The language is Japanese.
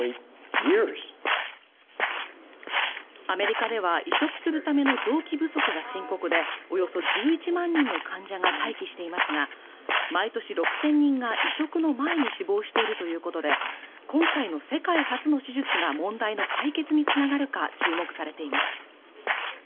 アメリカでは移植するための臓器不足が深刻でおよそ１１万人の患者が待機していますが毎年６０００人が移植の前に死亡しているということで今回の世界初の手術が問題の解決につながるか注目されています